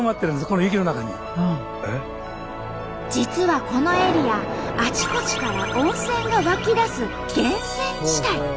実はこのエリアあちこちから温泉が湧き出す源泉地帯。